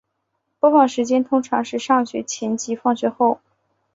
播放时间通常是上学前及放学后。